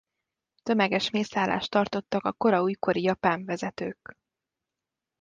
Tömeges mészárlást tartottak a kora újkori japán vezetők.